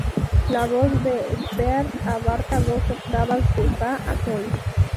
La voz de Spears abarca dos octavas, de "fa" a "sol".